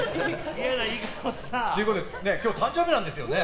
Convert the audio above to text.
今日、誕生日なんですよね。